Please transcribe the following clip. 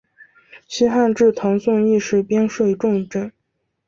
西汉至唐宋亦是边睡重镇。